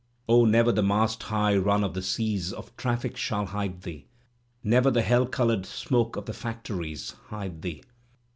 Oh, never the mast high run of the seas Of traffic shall hide thee. Never the hell coloured smoke of the factories Hide thee.